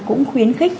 cũng khuyến khích